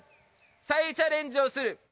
再チャレンジをする！